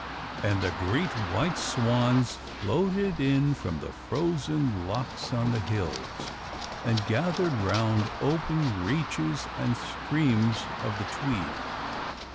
And the great white swans floated in from the frozen lochs on the hills, and gathered round open reaches and streams of the Tweed.